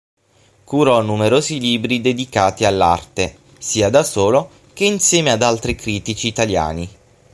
Curò numerosi libri dedicati all'arte, sia da solo che insieme ad altri critici italiani.